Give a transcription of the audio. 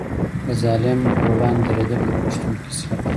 د ظالم پر وړاندې دریدل د پښتون خصلت دی.